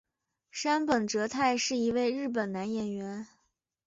杉本哲太是一位日本男演员。